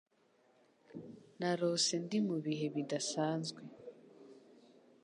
Narose ndi mubihe bidasanzwe.